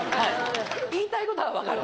言いたいことは分かる。